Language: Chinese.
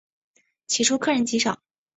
起初客人极少。